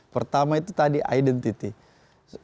pertama itu tadi identitas